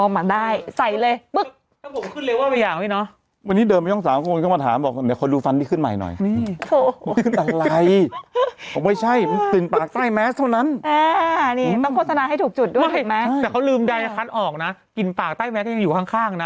แต่เขาลืมใดคัดออกนะกลิ่นปากใต้แมสก็ยังอยู่ข้างนะ